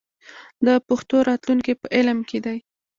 د پښتو راتلونکی په علم کې دی.